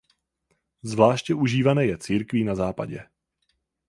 Zvláště užívané je církví na Západě.